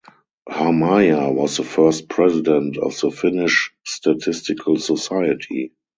Harmaja was the first president of the Finnish Statistical Society.